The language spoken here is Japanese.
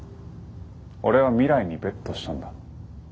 俺は未来にベットしたんだ。